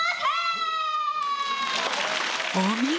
お見事！